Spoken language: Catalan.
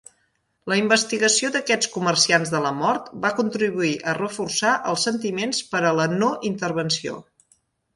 La investigació d'aquests "comerciants de la mort" va contribuir a reforçar els sentiments per a la no intervenció.